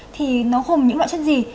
thì nó hùng những loại chất gì